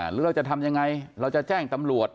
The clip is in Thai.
หรือเราจะทำยังไงเราจะแจ้งตำรวจ